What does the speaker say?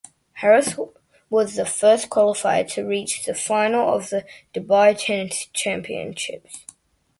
Harris was the first qualifier to reach the final of the Dubai Tennis Championships.